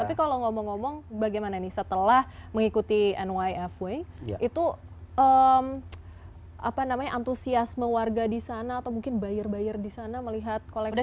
tapi kalau ngomong ngomong bagaimana nih setelah mengikuti nyfw itu apa namanya antusiasme warga di sana atau mungkin buyer buyer di sana melihat koleksi